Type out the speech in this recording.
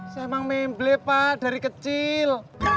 saya emang memble pak dari kecil